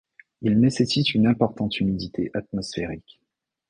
Il nécessite une importante humidité atmosphérique.